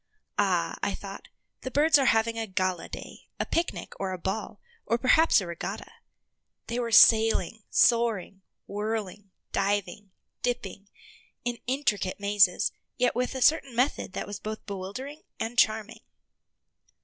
Ah, I thought, the birds are having a gala day, a picnic, or a ball, or perhaps a regatta. They were sailing, soaring, whirling, diving, dipping, in intricate mazes, yet with a certain method that was both bewildering and charming.